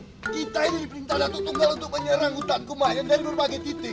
kita ini diperintah datuk tunggal untuk menyerang hutan kemarin dari berbagai titik